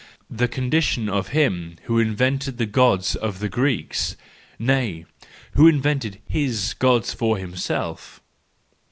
The condition of him who invented the Gods for the Greeks,—nay, who invented his Gods for himself!